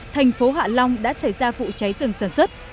thành phố hạ long đã xảy ra vụ cháy rừng sản xuất